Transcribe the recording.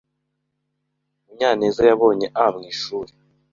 Munyaneza yabonye A mu ishuri.